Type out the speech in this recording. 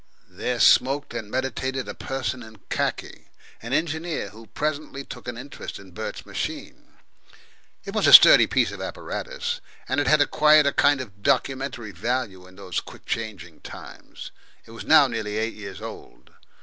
There smoked and meditated a person in khaki, an engineer, who presently took an interest in Bert's machine. It was a sturdy piece of apparatus, and it had acquired a kind of documentary value in these quick changing times; it was now nearly eight years old.